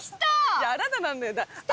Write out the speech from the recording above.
いやあなたなんだよ。